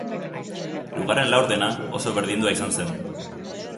Hirugarren laurdena oso berdindua izan zen.